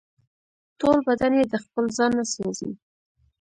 ټول بدن یې د خپل ځانه سوزي